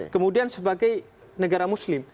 kemudian sebagai negara muslim